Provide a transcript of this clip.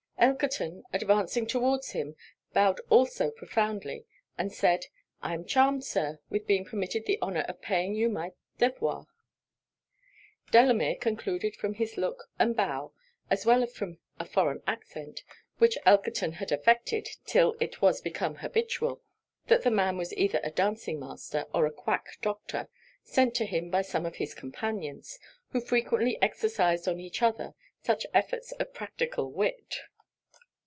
Elkerton advancing towards him, bowed also profoundly, and said, 'I am charmed, Sir, with being permitted the honour of paying you my devoirs.' Delamere concluded from his look and bow, as well as from a foreign accent, (which Elkerton had affected 'till it was become habitual) that the man was either a dancing master or a quack doctor, sent to him by some of his companions, who frequently exercised on each other such efforts of practical wit.